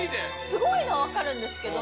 すごいのはわかるんですけど。